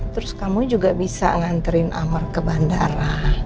terus kamu juga bisa nganterin amar ke bandara